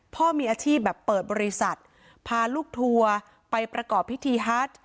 พ่อมีอาชีพแบบเปิดบริษัทพาลูกทัวร์ไปประกอบพิธีฮัต